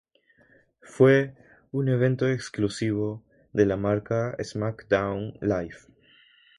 Fue un evento exclusivo de la marca SmackDown Live.